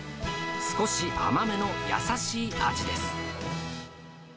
少し甘めの優しい味です。